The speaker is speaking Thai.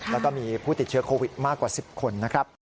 แล้วก็มีผู้ติดเชื้อโควิดมากกว่า๑๐คนนะครับ